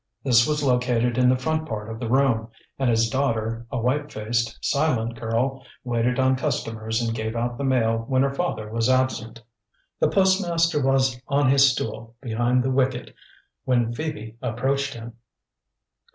This was located in the front part of the room, and his daughter, a white faced, silent girl, waited on customers and gave out the mail when her father was absent. The postmaster was on his stool behind the wicket when Phoebe approached him.